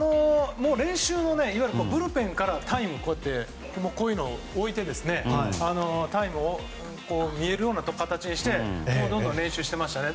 練習のいわゆるブルペンからこういうのを置いてタイムを見えるような形にしてどんどん練習してましたね。